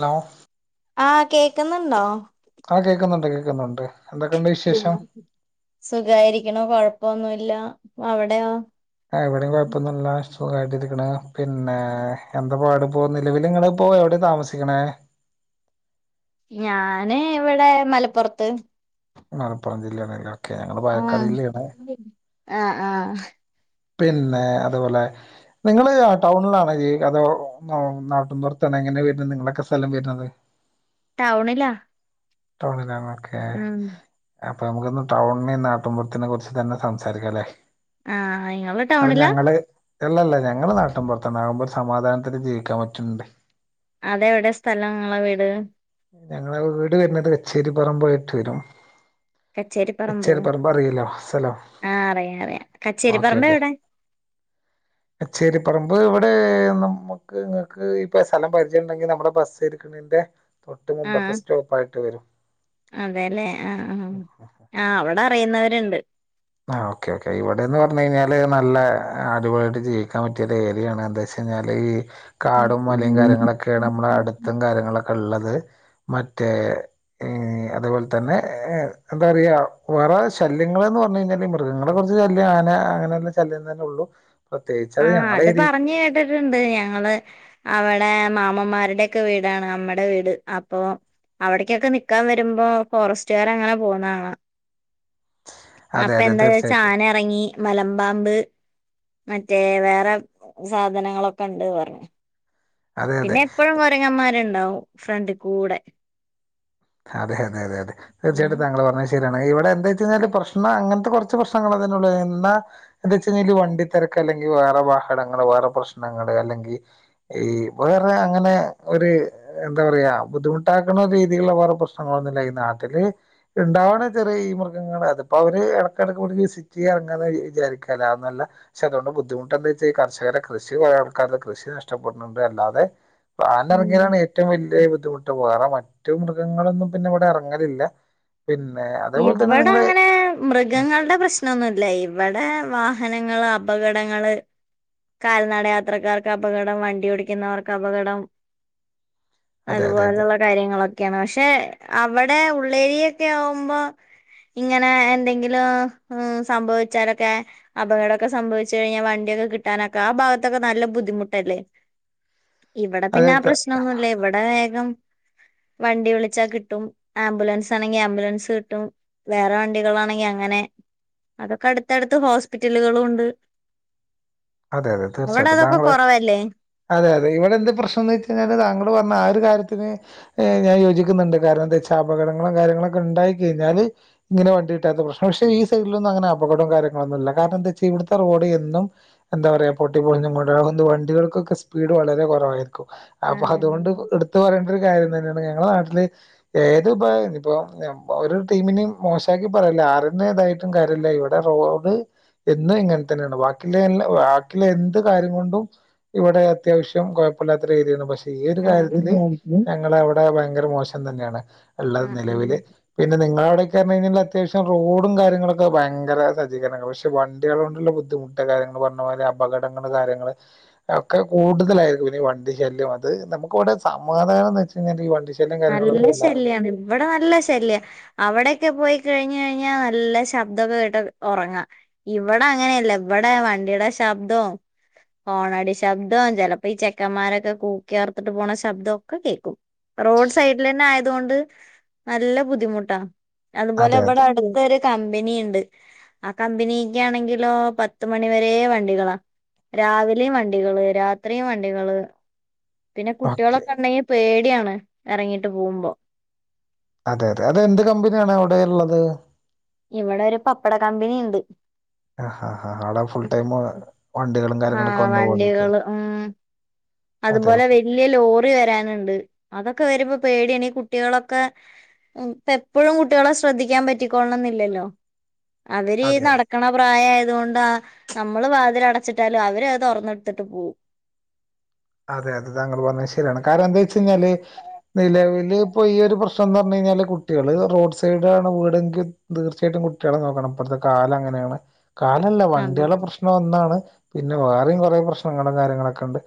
Hello ആഹ് കേക്കുന്നുണ്ടോ ആഹ് കേക്കുന്നുണ്ട് കേക്കുന്നുണ്ട് എന്തൊക്കെയുണ്ട് ഉം വിശേഷം സുഖായിരിക്കണ കൊഴപ്പൊന്നുമല്ല അവിടെയ ആഹ് എവിടെയും കുഴപ്പൊന്നുല്ല സുഖമായിട്ടിരിക്കണ പിന്നെ എന്താ പാട്പോ നിലവിൽ ഇങ്ങെപോ എവിടെയും താമസിക്ക ക്കണേ ഞാന് ഇവിടെ മലപ്പുറത്ത് മലപ്പുറം ജില്ല ആണല്ല ഒക്കെ ഞങ്ങള് ആഹ് പാലക്കാട് ജില്ലയാണ് ആഹ് ആഹ് പിന്നെ അതുപോലെ നിങ്ങള് ടൗണിലാണ് അതോ ആഹ് നാട്ടു പുറത്തന്നെ എങ്ങനെ വരുന്നത് നിങ്ങളൊക്കെ സ്ഥലം വരുന്നത് ടൗണിലാ ടൗണിൽ ആണോ ഒക്കെ ഉം അപ്പൊ നമുക്കിന്ന് ടൗണിനെ നാട്ടൻപുറത്തിനെ കുറിച്ച് തന്നെ സംസാരിക്കാം അല്ലേ ആഹ് ഇങ്ങള് [unintelligible] ടൗണിലാ ഞങ്ങള് അല്ലല്ല ഞങ്ങള് നാട്ടൻ പുറത്തു നാകുമ്പോ ഒരു സമാധാനത്തിന് ജീവിക്കാൻ പറ്റുംണ്ട് അതെ എവിടെ സ്ഥലം നിങ്ങളെ വീട് ഞങ്ങളെ വീട് വരുന്നത് കച്ചേരി പറം പോയിട്ട് വരും കച്ചേരിപ്പറമ്പോ കച്ചേരി പറമ്പ് അറിയില്ലോ സ്ഥലോ ആഹ് അറിയാ അറിയാ ഓക്കെ കച്ചേരിപ്പറമ്പ് ഓക്കെ എവിടെ [inaudible] കച്ചേരിപറമ്പ് ഇവിടെ നമുക്ക് നിങ്ങക്ക് ഇപ്പ സ്ഥലം പരിചയം ഉണ്ടെങ്കിൽ നമ്മുടെ ബസ്രിക്ക ന്റെ തൊട്ട് ആഹ് മുമ്പത്തെ സ്റ്റോപ്പ് ആയിട്ട് വരും അതെല്ലേ ആഹ് ആഹ് ആഹ് അവിടെ അറിയുന്നവരുണ്ട് ആഹ് ഓക്കെ ഓക്കേ ഇവിടെന്ന് പറഞ്ഞു കഴിഞ്ഞാല് നല്ല ആളുകളായിട്ട് ജീവിക്കാൻ പറ്റിയ ഏരിയാണ് എന്ത [unintelligible] കഴിഞ്ഞാല് ഈ കാടും മലയും കാര്യങ്ങളൊക്കെയാണ് നമ്മള ഉം അടുത്തും കാര്യങ്ങളൊക്കെ ഉള്ളത് മറ്റേ അതുപോലെ തന്നെ എന്താ പറയാ വേറെ ശല്യങ്ങളൾന്ന് പറഞ്ഞു കഴിഞ്ഞാൽ മൃഗങ്ങളെ കുറച്ച് ശല്യം ന അങ്ങനെല്ലാം ശല്യം തന്നെ ഉള്ളു ആഹ് അത് പറഞ്ഞ് കേട്ടിട്ടുണ്ട് ഞങ്ങള് അവിടെ മാമമ്മാരുടെയൊക്കെ വീടാണ് നമ്മടെ വീട് അപ്പോ അവിടേക്കൊക്കെ നിക്കാൻ വരുമ്പോ ഫോറസ്റ്റുകാര് അങ്ങനെ പോന്ന കാണാം അതെ അപ്പൊ അതെ എന്താന്ന് വച്ചാ തീർച്ചയായിട്ടും ആന ഇറങ്ങി മലമ്പാമ്പ് മറ്റേ വേറെ സാധനങ്ങളൊക്കെ ഉണ്ട് പറഞ്ഞ് അതെ അതെ പിന്നെ എപ്പഴും കൊരങ്ങന്മാരുണ്ടാവും ഫ്രണ്ടികൂടെ അതെ അതെ അതെ അതെ ഉം തീർച്ചയായിട്ടും താങ്കൾ പറഞ്ഞെ ശരിയാണ് ഇവിടെ എന്താ വെച്ച് കഴിഞ്ഞാല് പ്രശ്നം അങ്ങനത്തെ കുറച്ച് പ്രശ്നങ്ങൾ അതിനെയുള്ള് എന്നാ എന്താ വെച്ച് കഴിഞ്ഞാൽ വണ്ടി തിരക്ക് അല്ലെങ്കിൽ വേറെ വാഹനങ്ങള് വേറെ പ്രശ്നങ്ങള് അല്ലെങ്കി ഈ വേറെ അങ്ങനെ ഒരു എന്താ പറയാ ബുദ്ധിമുട്ടാക്കണ രീതിയിലുള്ള വർ പ്രശ്നങ്ങളൊന്നുമില്ല ഈ നാട്ടില് ഉണ്ടാവുന്ന ചെറിയ ഈ മൃഗങ്ങള് അതിപ്പോ അവര് ഇടക്കിക്ക് വിളിച്ച് [unintelligible] വിചാരിക്കല്ല അന്നല്ല പക്ഷെ അതുകൊണ്ട് ബുദ്ധിമുട്ട് എന്താ വെച്ചാ ഈ കർഷരെ കൃഷി ആൾക്കാരെ കൃഷി നഷ്ടപ്പെടുന്നുണ്ട് അല്ലാതെ ആന ഉം. ഇറങ്ങിയതാണ് ഏറ്റവും വലിയ ബുദ്ധിമുട്ട് വേറെ മറ്റും മൃഗങ്ങളൊന്നും പിന്നെ ഇവിടെ ഇറങ്ങലില്ല പിന്നെ അതേപോലെ തന്നെ ഇവിടെ നിങ്ങളെ അങ്ങനെ മൃഗങ്ങളുടെ പ്രശ്നമൊന്നുമില്ല ഇവിടെ വാഹനങ്ങള് അപകടങ്ങള് കാൽനട യാത്രക്കാർക്ക് അപകടം വണ്ടി ഓടിക്കുന്നവർക്ക് അപകടം അതെ അതെ അതെ അതുപോലുള്ള കാര്യങ്ങളൊക്കെയാണ് പക്ഷെ അവിടെ ഉള്ളേരിയൊക്കെ ആകുമ്പോ ഇങ്ങനെ എന്തെങ്കിലും സംഭവിച്ചാലൊക്കെ അപകടൊക്കെ സംഭവിച്ചു കഴിഞ്ഞാൽ വണ്ടിയൊക്കെ കിട്ടാനൊക്കെ ആ ഭാഗത്തൊക്കെ നല്ല ബുദ്ധിമുട്ടല്ലേ [inaudible] ഇവിടെ അതെ പിന്നെ ആ പ്രശ്നോന്നുമില്ല ഇവിടെ വേഗം വണ്ടി വിളിച്ചാ കിട്ടും ആംബുലൻസ് ആണെങ്കി ആംബുലൻസ് കിട്ടും വേറെ വണ്ടികളാണെങ്കി അങ്ങനെ അതൊക്കെ അടുത്തടുത്ത് ഹോസ്പിറ്റലുകളും ഉണ്ട് അതെ അതെ ഇവിടെ തീർച്ചയായിട്ടും അതൊക്കെ താങ്കള് കൊറവല്ലേ അതെ അതെ ഇവിടെ എന്താ പ്രശ്നം എന്ന് വെച്ച് കഴിഞ്ഞാല് താങ്കള് പറഞ്ഞ ആ ഒരു കാര്യത്തിന് ഏഹ് ഞാൻ യോജിക്കുന്നുണ്ട് കാരണം എന്താന്ന് ച്ചാ അപകടങ്ങളും കാര്യങ്ങളൊക്കെ ഉണ്ടായി കഴിഞ്ഞാല് ഇങ്ങനെ വണ്ടിയില്ലാത്ത പ്രശ്നം പക്ഷെ ഈ സൈഡിലൊന്നും അങ്ങനെ അപകടൊ കാര്യങ്ങളൊന്നുമില്ല കാരണം ന്തെ ച്ചാ ഇവിടുത്തെ റോഡ് എന്നും എന്താ പറയാ പൊട്ടി പൊളിഞ്ഞ് കൊണ്ട് വണ്ടികൾക്കൊക്കെ സ്പീഡ് വളരെ കൊറവായിരിക്കും അപ്പൊ അതെ അതുകൊണ്ട് എടുത്ത് പറയേണ്ട ഒരു കാര്യം തന്നെയാണ് ഞങ്ങളെ നാട്ടില് ഏത് ഇപ്പൊ ഇപ്പൊ ഒരു ടീമിനേയും മോശാക്കി പറയല്ല ആറിന്നേതാ കാര്യമില്ല ഇവിടെ റോഡ് എന്നും ഇങ്ങനെ തന്നെയാണ് ബാക്കിയുള്ള എല്ലാം ബാക്കിയുള്ള എന്ത് കാര്യം കൊണ്ടും ഇവിടെ അത്യാവശ്യം കൊ ഴപ്പമില്ലാത്ത ഒരു ഏരിയാണ് പക്ഷെ ഈ ഒരു ആ കാര്യത്തില് ഞങ്ങളെ അവിടെ ഭയങ്കര മോശം തന്നെയാണ് ആ ഉള്ളത് ഉം നിലവില് പിന്നെ നിങ്ങളെ അവിടൊക്കെ അണെങ്കിൽ അത്യാവശ്യം റോഡും കാര്യങ്ങളൊക്കെ ഭയങ്കര സജ്ജീകരണമാണ് പക്ഷെ വണ്ടികൾ കൊണ്ടുള്ള ബു ബുദ്ധിമുട്ട് കാര്യങ്ങള് പറഞ്ഞ പോലെ അപകടങ്ങള് കാര്യങ്ങള് ഒക്കെ കൂടുതലായിരിക്കും ഇനി വണ്ടി ശല്യം അത് നമുക്കിവിടെ സമാധാനംന്ന് വെച്ചാ ഈ വണ്ടിശല്യം നല്ല കാര്യങ്ങളൊന്നുമില്ല ശല്യാണ് ഇവിടെ നല്ല ശല്ല്യ അവിടൊക്കെ പോയി കഴിഞ്ഞഴിഞ്ഞാ നല്ല ശബ്ദമൊക്കെ കേട്ട് ഒറങ്ങാം ഇവിടെ അങ്ങനെയല്ല ഇവിടെ വണ്ടിടെ ശബ്ദോ ഹോണടിശബ്ദോം ചെലപ്പൊഈ ചെക്കന്മാരൊക്കെ കൂക്കിആർത്തിട്ട് പോണ ശബ്ദൊക്കെ കേൾക്കും റോഡ് സൈഡിൽ ന്നെ ആയതുകൊണ്ട് നല്ല ബുദ്ധിമുട്ടാ അതുപോലെ അതെ ഇവിടെ അതെ അടു ഇവിടെ ഒരു കമ്പനി ഉണ്ട് ആ കമ്പനിയിക്കെ ആണെങ്കിലോ പത്ത് മണിവരേ വണ്ടികളാ രാവിലെയും വണ്ടികള് രാത്രിയും വണ്ടികള് പിന്നെ ഓക്കെ കുട്ടികളൊക്കെ ഉണ്ടെങ്കിൽ പേടിയാണ് ഇറങ്ങീട്ട് പോകുമ്പം അതെ അതെ അത് എന്ത് കമ്പനിയാണ് അവിടെ ള്ളത് ഇവിടെ ഒരു പപ്പട കമ്പനി ഉണ്ട് ആഹ് ആഹ് ആഹ് അവിടെ ഫുൾ ടൈം വണ്ടികളും കാര്യങ്ങളൊക്കെ ആഹ് വന്നു പോകുന്നത് വണ്ടികള് ഉം അതെ അതുപോലെ വ ഓക്കെ വല്ല്യ ലോറി വരാനുണ്ട് അതൊക്കെ വരുമ്പ പേടിയാണ് ഈ കുട്ടികളൊക്കെ ഇപ്പൊപ്പൊഴും കുട്ടികളെ ശ്രദ്ധിക്കാൻ പറ്റിക്കോളണം ന്നില്ലല്ലോ അവര് ഈ അതെ അതെ നടക ക്കണ പ്രായ ആയതുകൊണ്ടാ നമ്മള് വാതിൽ അടച്ചിട്ടാലും അവര് അത് തുറന്നെടുത്തിട്ട് പോകും. അതെ അതെ താങ്കൾ പറഞ്ഞത് ശരിയാണ് കാരണം ന്താച്ചഴിഞ്ഞാല്? നിലവില് ഇപ്പൊ ഈ ഒരു പ്രശ്നം ന്ന് പറഞ്ഞഴിഞ്ഞാല് കുട്ടികള് റോഡ് സൈടാണ് വീടെങ്കി - തീർച്ചയായിട്ടും കുട്ടികളെ നോക്കണം ഇപ്പഴത്തെ കാലം അങ്ങനെയാണ്. കാലല്ല അതെ വണ്ടികള പ്രശ്നം ഒന്നാണ് പിന്നെ വേറെയും കുറെ പ്രശ്നങ്ങളും കാര്യങ്ങളൊക്കെണ്ട്.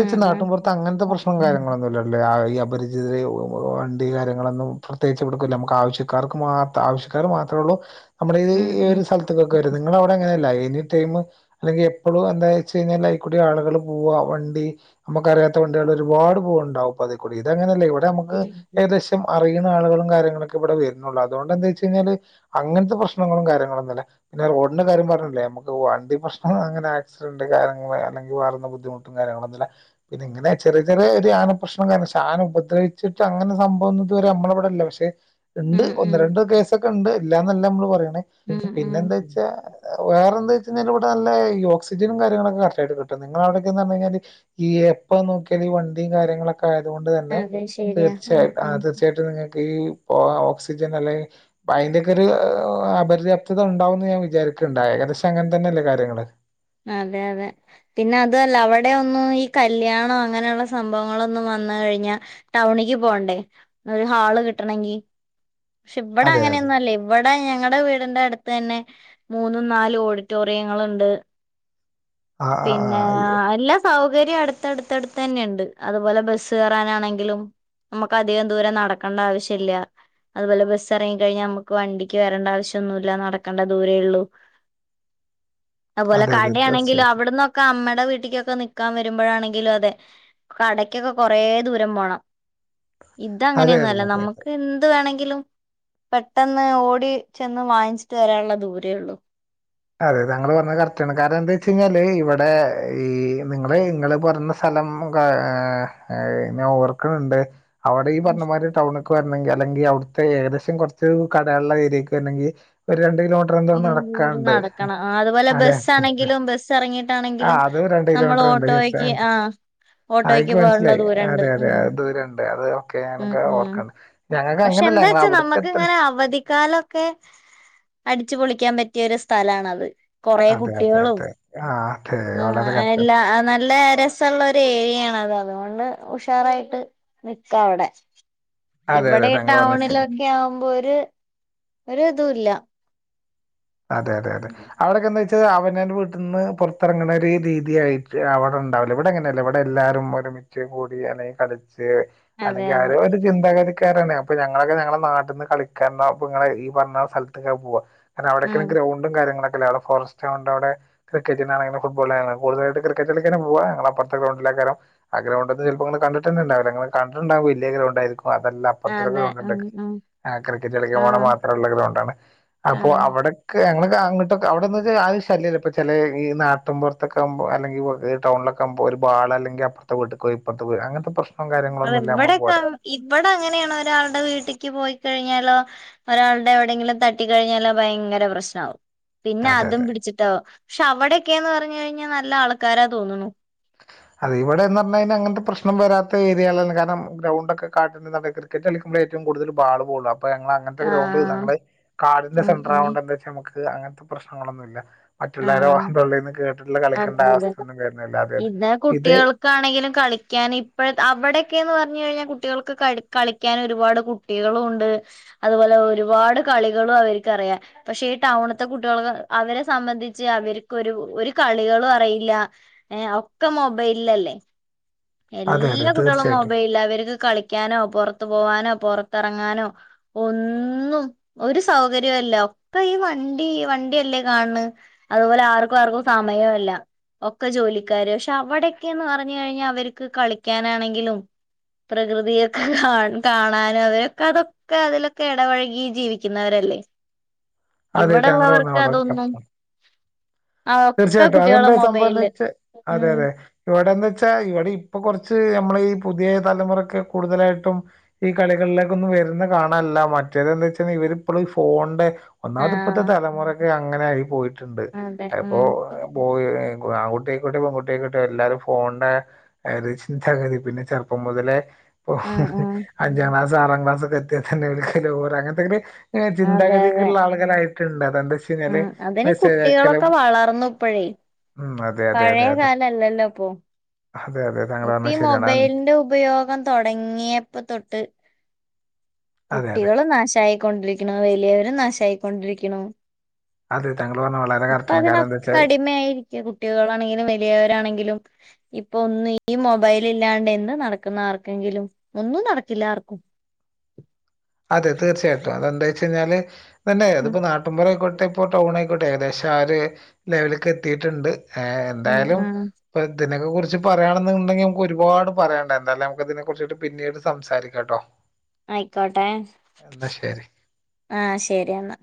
ഉം നാട്ടും പുറത്ത് അങ്ങന ത്തെ പ്രശ്നം കാര്യങ്ങളൊന്നുമില്ലല്ലി ഈ അപരി വണ്ടി കാര്യങ്ങളൊന്നും പ്രത്യേകിച്ച് എടുക്കില്ല നമുക്ക് ആവശ്യക്കാർക്ക് മാത്ര ആവശ്യക്കാർ മാത്രേള്ളൂ നമ്മളെ ഉം ഉം ഈ ഉം ഒരു സ്ഥലത്തക്കൊക്കെ വരും നിങ്ങളവിടെ അങ്ങനെയല്ല എനി ടൈം അല്ലെങ്കിൽ എപ്പോളും എന്തായിച്ചഴിയ്ഞാൽ അയ്ക്കൂടി ആളുകൾ പോവ വ ണ്ടി നമുക്കറിയാത്ത വണ്ടികൾ ഒരുപാട് പൂവണ്ടാവും അതി കൂടി ഇതങ്ങനെയല്ല ഇവിടെ നമുക്ക് ഏകദേശ അറിയുന്ന ആളുകളും കാര്യങ്ങളൊ ക്കെ ഇവിടെ വരുന്നുള്ള് അതുകൊണ്ട്ന്താച്ചഴിഞ്ഞാല്? അങ്ങനത്തെ പ്രശ്നങ്ങളും കാര്യങ്ങളുംന്നില്ല. പിന്നെ റോഡിന്റെ കാര്യം പറഞ്ഞില്ലേ നമ്മക്ക് വണ്ടി പ്രശ്നം അങ്ങനെ ആക്സിടന്റ് കാര്യങ്ങൾ അല്ലെങ്കിൽ വേറെന്ന ബുദ്ധിമുട്ട് കാര്യങ്ങളൊന്നുല്ല. പിന്നെ ഇങ്ങനെ ചെറിയ ചെറിയ ഒരു ആന പ്രശ്നം കാരണം ക്ഷേ ആന ഉപദ്രവിച്ചിട്ടങ്ങനെ സംഭവം ന്നും ഇതുവരെ നമ്മളെവിടെ ക്ഷെ ഉണ്ട് ഉം ഒന്ന് രണ്ട് കേസൊക്കെണ്ട് ഇല്ലാന്നല്ലമ്മള് പറയണേ ഉം ഉം ഉം പിന്നെന്താച്ചാ? വേറെന്താച്ചഴിഞ്ഞാ ഇവിടെ നല്ല ഓക്സിജനും കാര്യങ്ങളക്കെ കറക്ട്ടയിട്ട് കിട്ടും നിങ്ങ അവിടക്കന്ന്ഞ്ഞു കിഞ്ഞൽ ഈ എപ്പ നോക്കിയാൽ ഈ വണ്ടിയും കാര്യങ്ങളൊ ആയതുകൊണ്ട് തന്നെ അതെ ശരിയാ തീർച്ചയായി ഉം ഉം തീർച്ചയായിട്ടും നിങ്ങൾക്ക് ഈ ഓക്സിജൻ അല്ലെ അപ്പ അയ്ന്റെയൊക്കെരു അപര്യാപ്ത ഉണ്ടാവുമെന്ന് ഞാൻ വിചാരിക്കുന്നു ഏകദേശം അങ്ങനെ തന്നെയല്ലേ കാര്യങ്ങള്? അതെ അതെ പിന്നെ അതല്ല അവിടെ ഒന്നും ഈ കല്യാണം അങ്ങനെയുള്ള സംഭവങ്ങളൊന്നും വന്ന് കഴിഞ്ഞാ ടൗണിക്ക് പോണ്ടേ ഒരു ഹാള് കിട്ടണങ്കി ക്ഷെ ഇബടെ അതെ അതെ അങ്ങനെയൊന്നും അല്ലേ. ഇവിടെ ഞങ്ങടെ വീടിന്റെ അടുത്ത് തന്നെ മൂന്നും നാലും ഓഡിറ്റോറിയങ്ങളണ്ട്. ആ ആ ആ പിന്നെ എല്ലാ സ സൗകര്യം അടുത്തടുത്തടുത്ത് തന്നെുണ്ട് അതുപോലെ ബസ്സ് കയറാനാണെങ്കിലും. നമ്മക്ക് അധികം ദൂരെം നടക്കണ്ട ആവശ്യല്ല. അതുപോലെ ബസ് ഇറങ്ങിക്കഴിഞ്ഞാ നമുക്ക് വണ്ടിക്ക് വരണ്ട ആവശ്യമൊന്നുമില്ല നടക്കേണ്ട ദൂരേള്ളൂ. അതെ അതെ തീർച്ചയിട്ടും. വ്ട്ന്നൊക്കെമ്മടെ വീട്ടിലക്കൊക്കെ നിക്കാൻ വരുമ്പോഴാണെങ്കിലും അതെ കടക്കൊക്കെ കൊറെ ദൂരം പോണം. അതെ ഇതങ്ങനെയൊന്നും അതെ അല്ല അതെ നമ്മുക്ക് എന്ത് വേണെങ്കിലും. പെട്ടെന്ന് ഓടി ചെന്ന് വാങ്ങിച്ചിട്ട് വരാള്ള ദൂരേ ഉള്ളു. അതെ തങ്കള് പറഞ്ഞത് കറക്റ്റണ് കാരണം ന്താച്ചെഴിഞ്ഞാല് ഇവടെ ഈഹ് നിങ്ങള് ഇങ്ങള് പറഞ സ്ഥലം ഞാന് ഓർക്കുണ് ണ്ട്. അവിടെ ഈ പറഞ്ഞ മാതിരി ടൌൺ ടൗൺക്ക് വരണെങ്കിൽ അല്ലെങ്കിൽ അവിടുത്തെ ഏകദേശം കുറച്ച് കടയുള്ള ഏരിയക്ക് വരെങ്കിൽ ഒരു രണ്ട് കിലോ ദൂര നടക്കണം അതുപോലെ അതെ ബസ് ആണെങ്കിലും ബസ് ആ ബസറങ്ങിയിട്ടാണെങ്കിലും അത് രണ്ട് നമ്മൾ കിലോമീറ്റർ ഉണ്ട് ഓട്ടോക്ക് ആഹ് ആ ഓട്ടോക്ക് എനിക്ക് പോരെണ്ടെ മനസ്സിലായി ദൂരണ്ട് അതെ അതെ ഉം അത് ദൂരണ്ട് അത് ഓക്കെ ഉം ഞാനൊക്കെ ഉം ഓർക്കണ്ട് ഞങ്ങൾക്ക് പക്ഷെ അങ്ങനെയല്ല ഞങ്ങൾ എന്താച്ചാ അവിടക്ക് നമ്മക്ക് എത്തണ്ട ഇങ്ങനെ അവധിക്കാലക്കെ അടിച്ചു പൊളിക്കാൻ പറ്റിയൊരു സ്ഥലണത്. കുറേ അതെ അതെ കുട്ടികളും അതെ ആ അതെ ഉം വളരെ കറക്റ്റ് ആണ് എല്ലാ നല്ല രസ രസള്ള ഒരു ഏരിയാണ അത് അതുകൊണ്ട് ഉഷാറായിട്ട് നിക്കാ അവിടെ. അതെ ഇവിടെ അതെ ഈ താങ്കൾ പറഞ്ഞത് ശരി ടൗണിലൊക്കെവുമ്പോ ഒരു ഇതില്ല. അതെ അതെ അതെ അവിടെക്കെന്താച്ച അവനന്റെ വീട്ടിന്ന് പുറത്തിറങ്ങണ ഒരു രീതിയായിട്ട് അവിടെ ഉണ്ടാവില്ല ഇവിടെ അങ്ങനെയല്ല ഇവിടെ എല്ലാരും ഒരുമിച്ച് കൂടി അല്ലെങ്കിൽ കളിച്ച് അതെ അല്ലെങ്കിൽ അതെ ആര- ചിന്താഗതിക്കാരാണ് അപ്പൊ ഞങ്ങളൊക്കെ ഞങ്ങളെ നാട്ടിൽ നിന്ന് കളിക്കാന് ഈ പറഞ്ഞ സ്ഥലത്തൊക്കെ പോവാ കാരെ അവിടെയൊക്കെ ഉം ഗ്രൗണ്ടും കാര്യങ്ങളൊക്കെല്ല അവിടെ ഫോറസ്റ്റ് ആൗണ്ട് അവിടെ ക്രിക്കറ്റിനാണെങ്കിലും ഫുട്‌ബോളിനാനെങ്കിലും കൂടുതലായിട്ട് ക്രിക്കറ്റ് കളിക്കൊക്കെ പോക ഞങ്ങളെ അപ്പുറത്തെ ഗ്രൗണ്ടിലേക്കാരം ആ ഗ്രൗണ്ട് ന്നെ ചിലപ്പോ നിങ്ങൾ കണ്ടിന്ന ഉണ്ടാവില്ല കണ്ടിട്ടുണ്ടാവകും വലിയ ഗ്രൗണ്ട് ആയിരിക്കും അതല്ലാം അപ്പ അതെ ഗ്രൗണ്ട് ഉണ്ട് ഉം ഉം ആഹ് ക്രിക്കറ്റ് കളിക്കാൻ പോകാൻ ആഹ് മാത്രമുള്ള ഗ്രൗണ്ട്ണ് അപ്പോ ആഹ് അവടെ- ക്ക് ഞങൾ അങ്ങോട്ട് അവിടെന്ന് ശല്യമല്ല ഇപ്പ ചില ഈ നാട്ടും പുറത്തക്കകുമ്പോ അല്ലെങ്കിൽ ടൗണിലൊക്കെ ഒരു ബാളല്ലെങ്കിൽ അപ്പറത്തെ വീട്ടിക്ക് പോയി ഇപ്പറത്തെ അങ്ങനത്തെ പ്രശ് അത ഇവിടെക്കെ ഇവിടെ അങ്ങനെയാണ് ഒരാളുടെ വീട്ടേക്ക് പോയിക്കഴിഞ്ഞാലോ ഒരാളുടെ എവിടെയെങ്കിലും തട്ടി കഴിഞ്ഞാലോ ഭയങ്കര പ്രശ്നമാകും പിന്നെ അതെ അതും അതെ പിടിച്ചിട്ടാ പക്ഷെ അവിടെക്കെയന്ന് പറഞ്ഞ കഴിഞ്ഞാൽ നല്ല ആൾക്കാരാ തോന്നുന്നു ആഹ് ഇവടെന്ന് പറഞ്ഞ അങ്ങനത്തെ പ്രശ്നം വരാത്ത ഏരിയകളല്ല കാരണം ഗ്രൗണ്ട്ക്കെ കാ- ക്രിക്കറ്റ് കളിക്കുമ്പോ ഏറ്റവും കൂടുതൽ ബാൾ പോക അപ്പോ അങ്ങനത്തെ ഗ്രൗണ്ട് ആഹ് നമ്മെ കാടിന്റെ ഉം സെന്റർ ഉം ആകോണ്ട് എന്താ വെച്ച നമുക്ക് അങ്ങനത്തെ പ്രശ്നങ്ങളൊന്നുല്ല മറ്റുള്ളവരെടെ ആഹ് തോള്ളിൽന്ന് കേട്ടിട്ടുള്ള കളിക്കേണ്ട അതെ അവസ്ഥ ഒന്നും വരുന്നില്ല അതെ അതെ ഇത് ആണെങ്കിലും കളിക്കാൻ ഇപ്പഴ അവിടെയൊക്കെന്ന് പറഞ്ഞു കഴിഞ്ഞാൽ കുട്ടികൾക്ക് കളി കളിക്കാൻ ഒരുപാട് കു- കുട്ടികളുണ്ട് അതുപോലെ ഒരുപാട് കളികളും അവർക്ക്റിയാം പക്ഷെ ഈ ടൗണ് ത്തെ കുട്ടികൾക്ക് അവരെ സംബന്ധിച്ച് അവർക്ക് ഒരു ഒര് കളികളും അറിയില്ല ഒക്കെ മൊബൈലിലല്ലേ അതെ അതെ എല്ലാ കുട്ടികളും തീർച്ചയായിട്ടും മൊബൈലില് അവർക്ക് കളിക്കാനോ പുറത്ത് പോവാനോ പുറത്തിറങ്ങാനോ ഒന്നും ഒരു സൗകര്യല്ല ഒക്കെ ഈ വണ്ടി വണ്ടിയല്ലേ കാണണ് അതുപോലെ ആർക്കും ആർക്കും സമയോല്ല ഒക്കെ ജോലിക്കാര് പക്ഷെ അവിടെക്കെയന്ന് പറഞ്ഞു കഴിഞ്ഞാൽ അവർക്ക് കളിക്കാനാണെങ്കിലും പ്രകൃതിയൊക്കെ കാ കാണാനും അവരൊക്കെ അതൊ ഒക്കെ അതിലൊക്കെ ഇടപഴകി ജീവിക്കുന്നവരല്ലേ അതെ താങ്കൾ പറഞ്ഞ ഇവിടെള്ളവർക്ക് വളരെ അതൊന്നും. കറക്റ്റാണ് ആ ഒക്കെ തീർച്ചയായിട്ടും കുട്ടികളെ അതെന്താ സംഭവന്ന് മൊബൈലില് വെച്ച അതെ ഉം അതെ ഇവിടെന്ന് വച്ചാ ഇവിടെ ഇപ്പൊ കുറച്ച് നമ്മളെ ഈ പുതിയ തലമുറക്ക് കൂടുതലായിട്ടും. ഈ കളികളിലേക്ക് ഒന്നും വരുന്ന കാണല്ല മറ്റേത്ന്താ വെച്ചൽ ഇവരിപ്പോഴും ഈ ഫോണിന്റെ ഒന്നാമത് ഇപ്പഴത്തെ തലമുറക്കെ അങ്ങനെ ആയി പോയി. അ അതെ ഉം പോയി ആൺകകുട്ടിയായിക്കോട്ടെ പെൺകുട്ടിആയിക്കോട്ടെ എല്ലാരും ഫോണിന്റെ- ഓരേ ചിന്താഗതി പിന്നെ ചെറുപ്പം മുതലേ പോ ഉം ഉം അഞ്ചാം ക്ലാസ് ആറാം ക്ലാസ് എത്തി തന്നെ ഓര്ക്ക് ലൗവർ അങ്ങനത്തെക്കെ ഒര് അതെ അതെ ചിന്താഗതിക്കുള്ള ആൾകളായിട്ടുണ്ട് അന്തോട്. ഉം അതിന് കുട്ടികളൊക്കെ വളർന്നുപ്പോഴേ ഉം അതെ അതെ അതെ അതെ ഇപ്പൊ അതെ അതെ താങ്കൾ ഇപ്പ ഈ പറഞ്ഞത് ശരിയാണ് അൻ- മൊബൈലിന്റെ ഉപയോഗം തോടങ്ങിയപ്പോ തൊട്ട് അതെ അതെ കുട്ടികളും നാശായിക്കൊണ്ടിരിക്ക്ണ് വലിയവരും നാശായിക്കൊണ്ടിരിക്കുണു. അതെ താങ്കൾ പറഞ്ഞത് വളരെ ഇപ്പൊ കറക്റ്റാണ് കാരണം എന്താ വെച്ചാൽ അതിനോക്കെടിമയായി. കുട്ടികളാണെങ്കിലും വലിയവരാണെങ്കിലും. ഇപ്പൊ ഒന്നും ഈ മൊബൈൽ ഇല്ലാണ്ട് എന്ത് നടക്കുന്ന ആർക്കെങ്കിലും ഒന്നും നടക്കില്ല ആർക്കും. അതെ തീർച്ചയായിട്ടും അതെന്താ വെച്ച് കഴിഞ്ഞാൽ പിന്നെ ഉം അതിപ്പോ നാ നാട്ടിൻ പുറം ആയിക്കോട്ടെ ഇപ്പൊ ടൗൺ ആയിക്കോട്ടെ ഏകദേശം ആര് ലെവലിക്ക് എത്തിയിട്ടുണ്ട്. ഏഹ് ഉം എന്തായാലും. ഉം ഇപ്പൊ ഇതിനെക്കെ കുറിച്ച് പറയാണെന്നുണ്ടെങ്കിൽ നമുക്ക് ഒരുപാട് പറയാണ്ട് എാന്തായാലും നമ്മക്ക് ഇതിനെ കുറിച്ച് പിന്നീട് സംസാരിക്കാം കേട്ടോ? ആയിക്കോട്ടെ? എന്ന ശരി. ആഹ് ശരി എന്നാ.